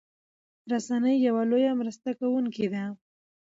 رسنۍ يو لويه مرسته کوونکي دي